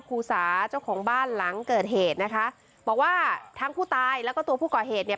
ครูสาเจ้าของบ้านหลังเกิดเหตุนะคะบอกว่าทั้งผู้ตายแล้วก็ตัวผู้ก่อเหตุเนี่ย